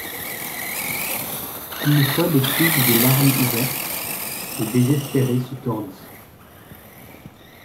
Une fois l’écluse des larmes ouvertes, le désespéré se tordit.